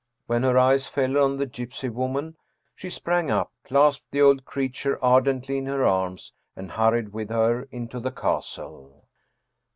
When her eyes fell on the gypsy woman, she sprang up, clasped the old creature ardently in her arms, and hurried with her into the castle.